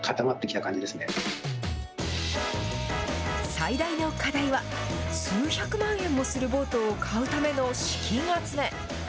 最大の課題は、数百万円もするボートを買うための資金集め。